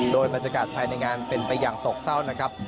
โดยบรรยากาศภายในงานเป็นไปอย่างโศกเศร้านะครับ